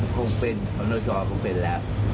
คงเป็นอนจอคงเป็นแล้ว